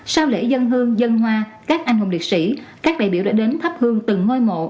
sau lễ dân hương dân hoa các anh hùng liệt sĩ các đại biểu đã đến thắp hương từng ngôi mộ